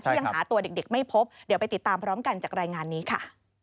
ยังหาตัวเด็กไม่พบเดี๋ยวไปติดตามพร้อมกันจากรายงานนี้ค่ะ